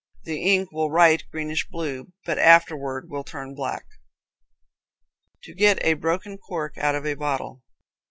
The ink will write greenish blue, but afterward will turn black. To Get a Broken Cork Out of a Bottle.